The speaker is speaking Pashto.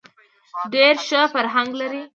ډېر ښه فرهنګ لري.